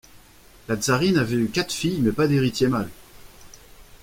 La tsarine avait eu quatre filles, mais pas d'héritier mâle.